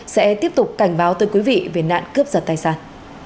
sẽ tiếp tục cảnh báo tới quý vị về nạn cướp giật tài sản